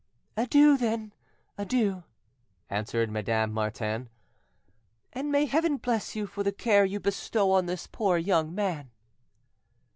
"Adieu, then, adieu," answered Madame Martin; "and may Heaven bless you for the care you bestow on this poor young man!"